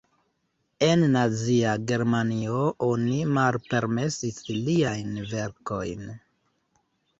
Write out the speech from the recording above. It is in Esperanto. En Nazia Germanio oni malpermesis liajn verkojn.